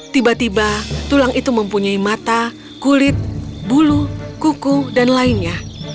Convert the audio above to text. tiba tiba tulang itu mempunyai mata kulit bulu kuku dan lainnya